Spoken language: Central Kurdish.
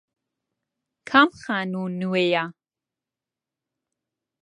کام خانوو نوێیە؟